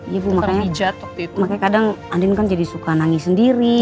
iya bu makanya kadang andin kan jadi suka nangis sendiri